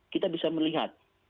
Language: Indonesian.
kita bisa melihat